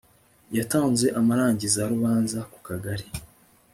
yatanze amarangizarubanza ku kagali